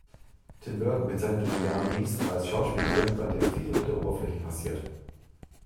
Tim Burton bezeichnete Dianne Wiest als Schauspielerin, bei der viel unter der Oberfläche passiert.